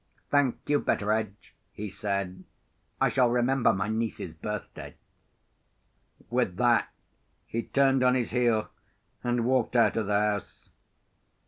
"Thank you, Betteredge," he said. "I shall remember my niece's birthday." With that, he turned on his heel, and walked out of the house.